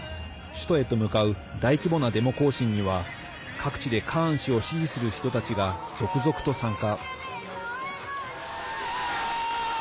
首都へと向かう大規模なデモ行進には各地でカーン氏を支持する人たちが続々と参加。